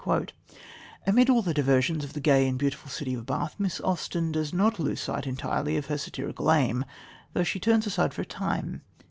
Amid all the diversions of the gay and beautiful city of Bath, Miss Austen does not lose sight entirely of her satirical aim, though she turns aside for a time.